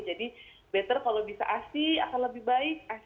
jadi lebih baik kalau bisa asli akan lebih baik